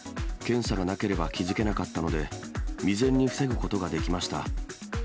検査がなければ気付けなかったので、未然に防ぐことができました。